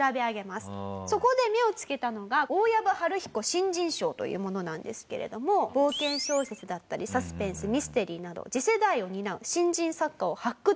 そこで目を付けたのが大藪春彦新人賞というものなんですけれども冒険小説だったりサスペンスミステリーなど次世代を担う新人作家を発掘する。